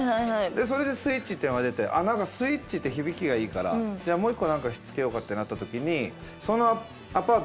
それでスイッチっていうのが出てあっ何かスイッチって響きがいいからじゃあもう一個何かひっつけようかってなった時にそのアパート